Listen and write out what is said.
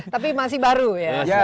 tapi masih baru ya